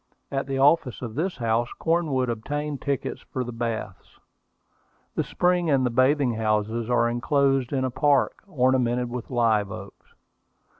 At the office of this house Cornwood obtained tickets for the baths. The spring and the bathing houses are inclosed in a park, ornamented with live oaks.